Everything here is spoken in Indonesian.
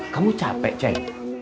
kamu capek ceng